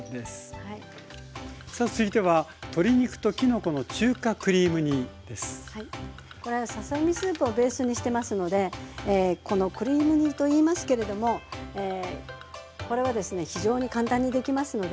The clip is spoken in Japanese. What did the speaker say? さあ続いてはこれはささ身スープをベースにしてますのでこのクリーム煮といいますけれどもこれはですね非常に簡単にできますので。